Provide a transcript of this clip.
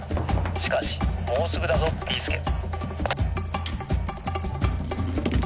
しかしもうすぐだぞビーすけ！」。